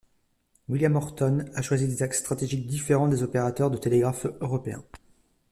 William Orton a choisi des axes stratégiques différents des opérateurs de télégraphe européens.